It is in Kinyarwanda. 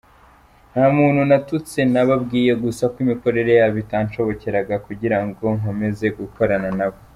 Nta muntu natutse, nababwiye gusa ko imikorere yabo itanshobokeraga kugira ngo nkomeze gukorana nabo.